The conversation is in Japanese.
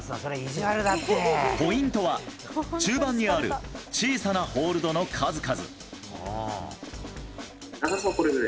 ポイントは中盤にある小さなホールドの数々。